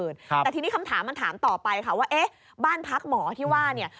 แต่ทีนี้คำถามมันถามต่อไปค่ะว่าเอ๊ะบ้านพักหมอที่ว่าเนี่ย